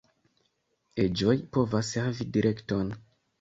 Eĝoj povas havi direkton.